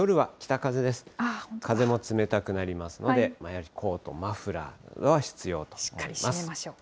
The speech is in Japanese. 風も冷たくなりますので、コート、マフラーなどは必要だと思います。